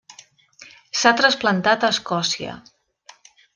S'ha trasplantat a Escòcia.